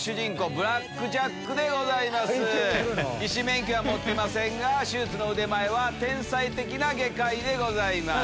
医師免許は持ってませんが手術の腕前は天才的な外科医でございます。